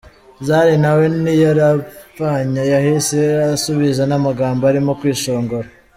Zari nawe ntiyaripfanye yahise asubiza n'amagambo arimo kwishongora.